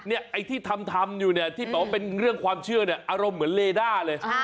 ไอ้ที่ทำอยู่ที่เป็นเรื่องความเชื่ออารมณ์เหมือนเลด้าเลย